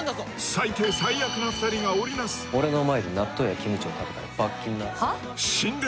最低最悪な２人が織りなす俺の前で納豆やキムチを食べたら罰金なはっ？